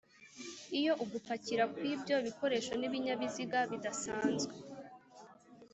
iyo ugupakira kw'ibyo bikoresho n'ibinyabiziga bidasanzwe